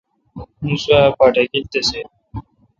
اوں سوا پاٹکیل تسی۔